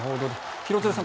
廣津留さん